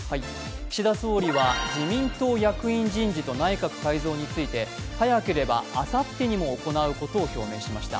岸田総理は自民党役員人事と内閣改造について、早ければあさってにも行うことを表明しました。